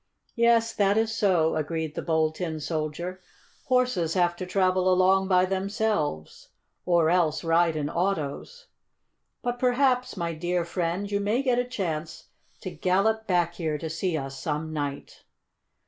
"Yes, that is so," agreed the Bold Tin Soldier. "Horses have to travel along by themselves, or else ride in autos. But perhaps, my dear friend, you may get a chance to gallop back here to see us some night."